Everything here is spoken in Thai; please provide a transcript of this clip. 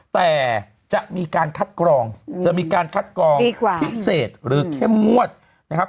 แต่จะมีการคัดกรองจะมีการคัดกรองพิเศษหรือเข้มงวดนะครับ